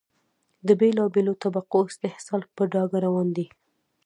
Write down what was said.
د بېلا بېلو طبقو استحصال په ډاګه روان دی.